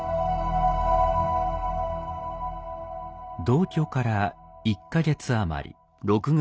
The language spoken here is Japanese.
同居から１か月余り。